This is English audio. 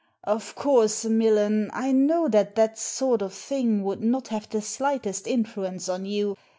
" Of course, Millen, I know that that sort of thing would not have the slightest influence on you.